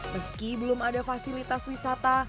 meski belum ada fasilitas wisata